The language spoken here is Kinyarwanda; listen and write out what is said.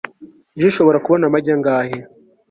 ejo ushobora kubona amagi angahe